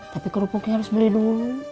tapi kerupuknya harus beli dulu